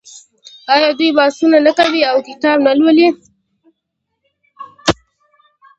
آیا دوی بحثونه نه کوي او کتاب نه لوالي؟